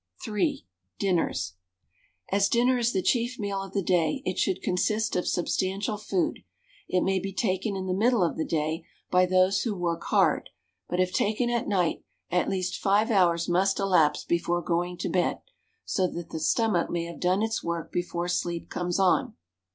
III. DINNERS. As dinner is the chief meal of the day it should consist of substantial food. It may be taken in the middle of the day by those who work hard; but if taken at night, at least five hours must elapse before going to bed, so that the stomach may have done its work before sleep comes on.